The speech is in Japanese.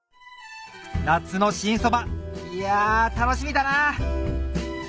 夏の新そばいや楽しみだな！